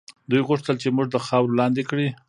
دوی غوښتل چې موږ د خاورو لاندې کړي.